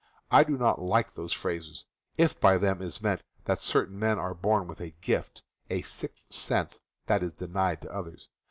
I do not like those phrases, if by them is meant that certain men are born with a "gift," a sixth sense, that is denied to others.